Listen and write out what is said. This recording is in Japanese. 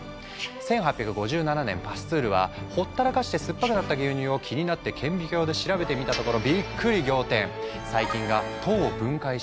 １８５７年パスツールはほったらかして酸っぱくなった牛乳を気になって顕微鏡で調べてみたところびっくり仰天。